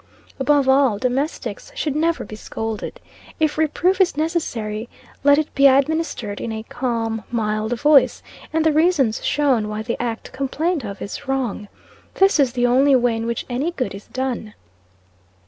Above all, domestics should never be scolded. If reproof is necessary, let it be administered in a calm mild voice, and the reasons shown why the act complained of is wrong. This is the only way in which any good is done."